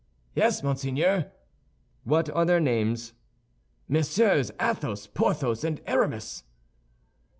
"Yes, monseigneur." "What are their names?" "Messieurs Athos, Porthos, and Aramis."